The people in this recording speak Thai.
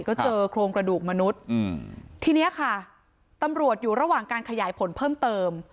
ก็เจอโครงกระดูกมนุษย์ทีเนี้ยค่ะตำรวจอยู่ระหว่างการขยายผลเพิ่มเติม